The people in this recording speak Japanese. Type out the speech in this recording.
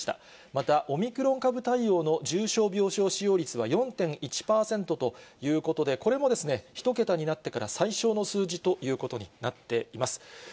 また、オミクロン株対応の重症病床使用率は４．１％ということで、これも１桁になってから最少の数字ということになっています。